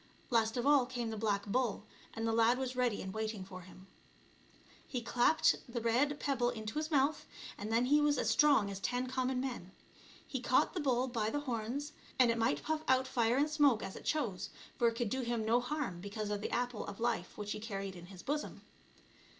Last of all came the black bull, and the lad was ready and waiting for him. He clapped the red pebble into his mouth, and then he was as strong as ten common men. He caught the bull by the horns, and it might puff out fire and smoke, as it chose, for it could do him no harm because of the apple of life which he carried in his bosom.